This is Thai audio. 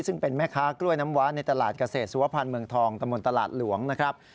ซึ่งเป็นแม่ค้ากล้วยน้ำว้าในตลาดเกษตรสุวพันธ์เมืองทองตะมนตลาดหลวงนะครับ